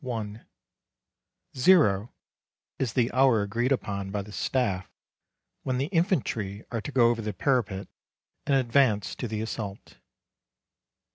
(1) "Zero" is the hour agreed upon by the Staff when the infantry are to go over the parapet and advance to the assault.